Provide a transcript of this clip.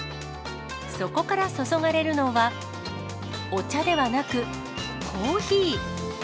そこから注がれるのは、お茶ではなく、コーヒー。